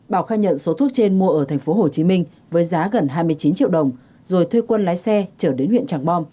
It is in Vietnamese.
bảo khai nhận số thuốc trên mua ở thành phố hồ chí minh với giá gần hai mươi chín triệu đồng rồi thuê quân lái xe chở đến huyện trảng bom